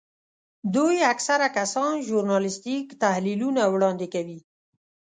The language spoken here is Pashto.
دوی اکثره کسان ژورنالیستیک تحلیلونه وړاندې کوي.